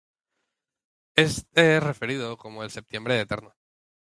Este es referido como el Septiembre Eterno.